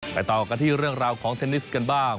ต่อกันที่เรื่องราวของเทนนิสกันบ้าง